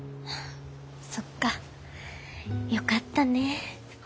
そっかよかったね。